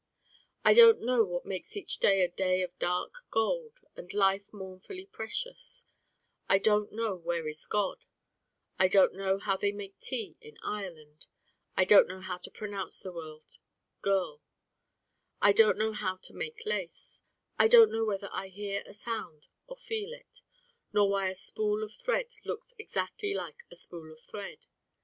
I Don't Know what makes each day a Day of dark Gold and life mournfully precious: I don't know where is God: I don't know how they make tea in Ireland: I don't know how to pronounce the word 'girl': I don't know how to make lace: I don't know whether I hear a sound or feel it, nor why a spool of thread looks exactly like a Spool of Thread.